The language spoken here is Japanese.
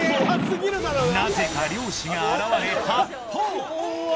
なぜか猟師が現れ、発砲。